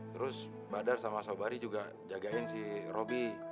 terus badar sama sobari juga jagain si roby